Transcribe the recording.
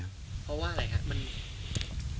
เพราะว่าอะไรคะ